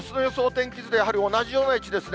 天気図で、やはり同じような位置ですね。